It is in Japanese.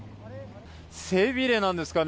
背びれなんですかね。